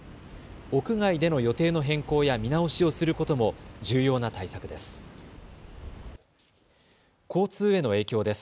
屋外での予定の変更や見直しをすることも重要な対策です。